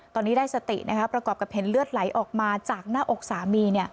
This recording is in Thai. ตอนนี้ได้สติประกอบกับเห็นเลือดไหลออกมาจากหน้าอกสามี